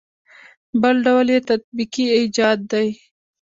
بل ډول یې تطبیقي ایجاد دی.